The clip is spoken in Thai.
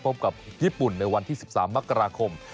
พบกับญี่ปุ่นในวันที่๑๓มกราคม